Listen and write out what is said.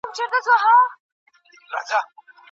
مشرانو به سیاسي ستونزي حل کولې.